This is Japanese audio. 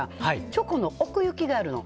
チョコの奥行きがあるの。